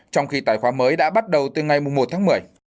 trong khi tài khoá mới đã bắt đầu từ ngày một tháng một mươi